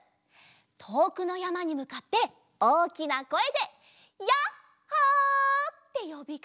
とおくのやまにむかっておおきなこえで「ヤッホー！」ってよびかけると。